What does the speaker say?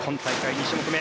２種目め。